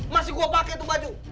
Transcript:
masih gue pakai tuh baju